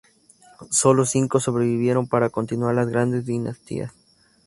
Solo cinco sobrevivieron para continuar las grandes dinastías.